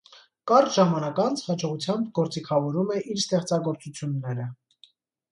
Կարճ ժամանակ անց հաջողությամբ գործիքավորում է իր ստեղծագործությունները։